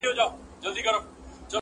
اجل چي راسي، وخت نه غواړي.